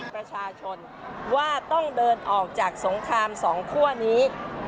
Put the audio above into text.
ประชาชนว่าต้องเดินออกจากสงครามสองคั่วนี้